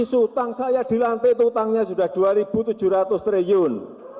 isu tang saya dilantik utangnya sudah dua ribu tujuh ratus triliun